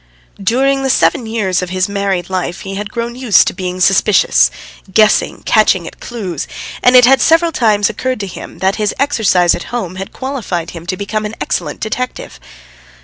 During the seven years of his married life he had grown used to being suspicious, guessing, catching at clues, and it had several times occurred to him, that his exercise at home had qualified him to become an excellent detective.